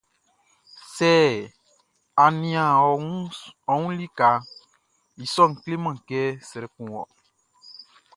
Sɛ a nian ɔ wun likaʼn, i sɔʼn kleman kɛ srɛ kun wɔ.